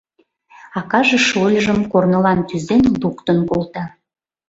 Акаже шольыжым, корнылан тӱзен, луктын колта.